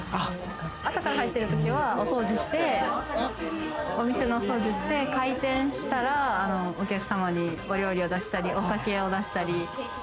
朝から入ってる時はお掃除して、お店のお掃除して、開店したらお客様にお料理を出したり、お酒を出したり。